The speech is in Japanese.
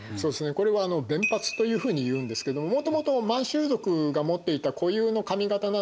これは弁髪というふうにいうんですけどもともと満州族が持っていた固有の髪形なんですね。